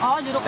oh jeruk kecel